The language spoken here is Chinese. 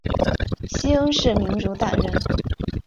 西恩是民主党人。